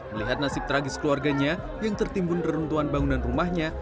melihat nasib tragis keluarganya yang tertimbun reruntuhan bangunan rumahnya